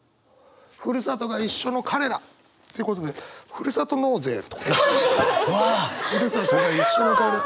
ふるさとが一緒の彼らってことでふるさとが一緒の彼ら。